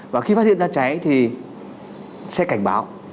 và khi phát hiện ra cháy thì sẽ cảnh báo